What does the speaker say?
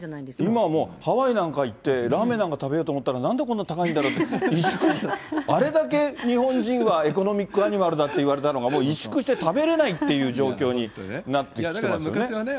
今はもう、ハワイなんか行って、ラーメンなんか食べようと思ったら、なんでこんな高いんだろうって、萎縮、あれだけ日本人はエコノミックアニマルだっていわれたのが、もう委縮して食べれないっていう状況になってきてますよね。